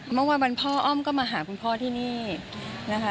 เมื่อวานวันพ่ออ้อมก็มาหาคุณพ่อที่นี่นะคะ